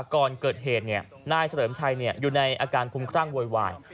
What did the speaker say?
ก่อนเกิดเหตุนายเฉลิมชัยอยู่ในอาการคุ้มครั่งโวยวาย